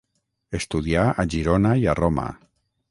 Estudià a Girona i a Roma.